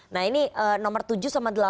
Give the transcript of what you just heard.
nah ini nomor tujuh sama delapan